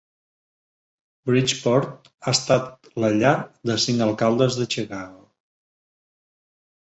Bridgeport ha estat la llar de cinc alcaldes de Chicago.